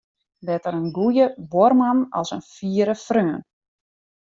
Better in goede buorman as in fiere freon.